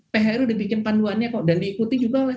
phri udah bikin panduannya kok dan diikuti juga oleh